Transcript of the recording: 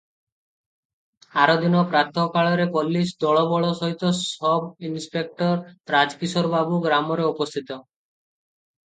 ଆର ଦିନ ପ୍ରାତଃକାଳରେ ପୋଲିସ ଦଳବଳ ସହିତ ସବ୍ ଇନସ୍ପେକ୍ଟର ରାଜକିଶୋର ବାବୁ ଗ୍ରାମରେ ଉପସ୍ଥିତ ।